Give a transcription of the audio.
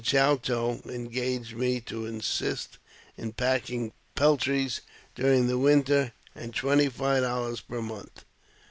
Chouteau engaged me to assist in packing peltries during the winter, at twenty five dollars per month.